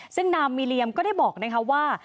ซึ่งนางมิเรียมก็ได้บอกว่า